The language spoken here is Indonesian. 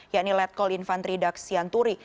yakni letkol infantri daksianturi